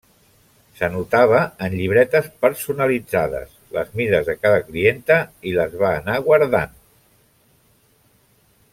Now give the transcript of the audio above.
S'anotava en llibretes personalitzades, les mides de cada clienta i les va anar guardant.